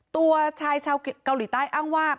ตัวชายชาวเกาหลีใต้อ้างว่า